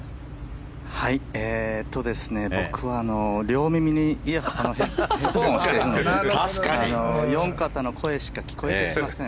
僕は両耳にヘッドホンをしているので４方の声しか聞こえてきません。